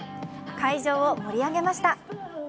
会場を盛り上げました。